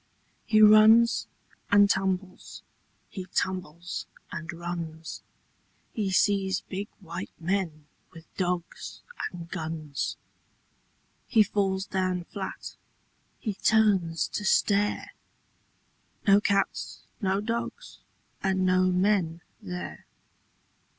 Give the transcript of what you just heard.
He runs and tumbles, he tumbles and runs. He sees big white men with dogs and guns. He falls down flat. H)e turns to stare — No cats, no dogs, and no men there.